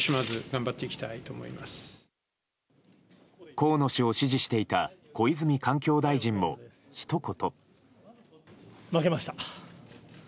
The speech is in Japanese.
河野氏を支持していた小泉環境大臣もひと言。